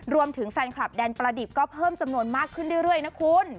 รวมถึงแฟนคลับแดนประดิษฐ์ก็เพิ่มจำนวนมากขึ้นเรื่อยนะคุณ